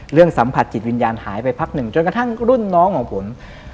สัมผัสจิตวิญญาณหายไปพักหนึ่งจนกระทั่งรุ่นน้องของผม